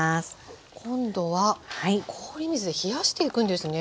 今度は氷水で冷やしていくんですね。